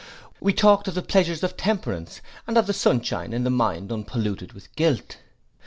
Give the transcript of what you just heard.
We talked of the pleasures of temperance, and of the sun shine in the mind unpolluted with guilt.